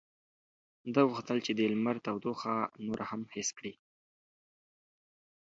ده غوښتل چې د لمر تودوخه نوره هم حس کړي.